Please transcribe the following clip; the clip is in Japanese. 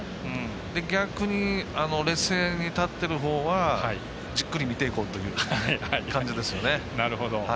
逆に、劣勢に立っているほうはじっくり見ていこうという感じですよね。